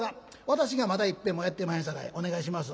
「私がまだいっぺんもやってまへんさかいお願いします」。